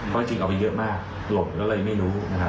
เพราะจริงเอาไปเยอะมากหล่มแล้วเลยไม่รู้